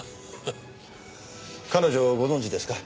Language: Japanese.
彼女をご存じですか？